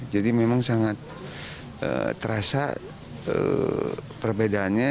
jadi memang sangat terasa perbedaannya